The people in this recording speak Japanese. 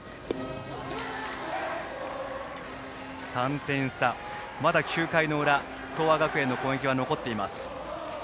３点差、まだ９回の裏東亜学園の攻撃は残っています。